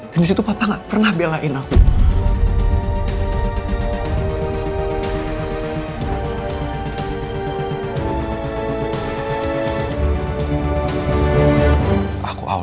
dan disitu papa gak pernah belain aku